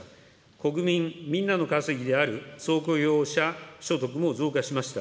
国民みんなの稼ぎである総雇用者所得も増加しました。